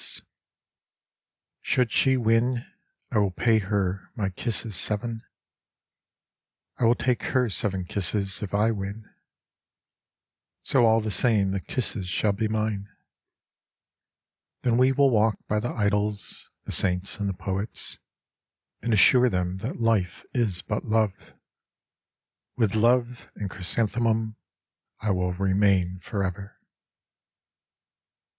The Eastern Sea 113 Should she win, I will pay her my kisses seven : I will take her seven kisses if I win : So all the same the kisses shall be mine. Then we will walk by the idols — the saint's and the poet's, And assure them that Life is but Love ; With Love and chrysanthemum I will remain forever.